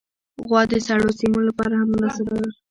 غوا د سړو سیمو لپاره هم مناسبه ده.